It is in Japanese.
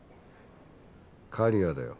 刈谷だよ。